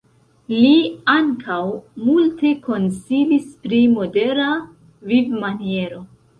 Li ankaŭ multe konsilis pri modera vivmaniero.